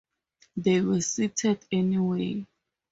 They were seated anyway.